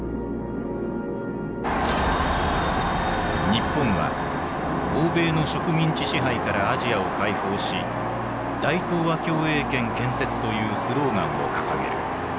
日本は欧米の植民地支配からアジアを解放し「大東亜共栄圏」建設というスローガンを掲げる。